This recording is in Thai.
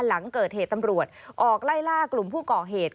หลังเกิดเหตุตำรวจออกไล่ล่ากลุ่มผู้ก่อเหตุ